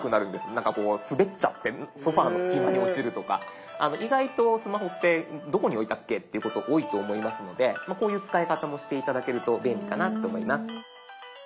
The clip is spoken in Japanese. なんかこう滑っちゃってソファーの隙間に落ちるとか意外とスマホってどこに置いたっけっていうこと多いと思いますのでこういう使い方もして頂けると便利かなって思います。